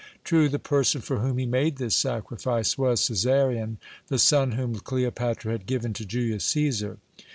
True, the person for whom he made this sacrifice was Cæsarion, the son whom Cleopatra had given to Julius Cæsar.